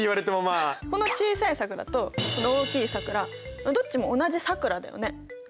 この小さいさくらとこの大きいさくらどっちも同じさくらだよね。